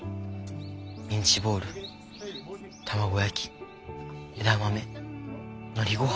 ミンチボール卵焼き枝豆のりごはん。